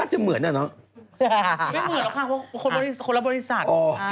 ไม่เหมือนหรอกค่ะเพราะคนละบริษัท